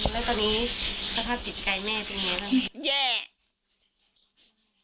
แล้วตอนนี้สภาพจิตใจแม่เป็นยังไงบ้างแย่